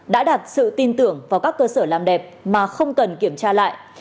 đã đạt sự tin tưởng vào các cơ sở làm đẹp mà không cần kiểm tra lại